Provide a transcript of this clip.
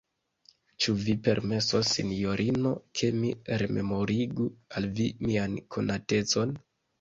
Ĉu vi permesos, sinjorino, ke mi rememorigu al vi mian konatecon?